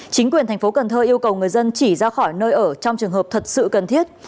chính quyền thành phố cần thơ yêu cầu người dân chỉ ra khỏi nơi ở trong trường hợp thật sự cần thiết